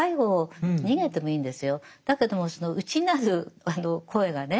だけどもその内なる声がね